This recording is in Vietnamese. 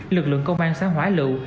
lực lượng công an xã hóa lựu